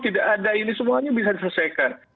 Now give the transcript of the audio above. tidak ada ini semuanya bisa diselesaikan